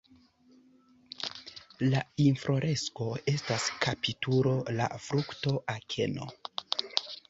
La infloresko estas kapitulo, la frukto akeno.